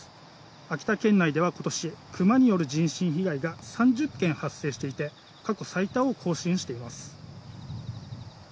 秋田県内では今年、クマによる人身被害が３０件発生していて過去最多を更新しています。